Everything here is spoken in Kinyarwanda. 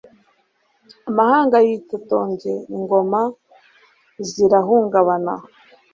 amahanga yaritotombye, ingoma zirahungabana